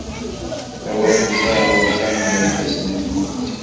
Tawenza-w attan gar ifassen-nkent.